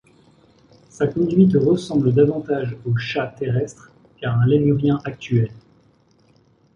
Sa conduite ressemble davantage aux chats terrestres qu'à un lémurien actuel.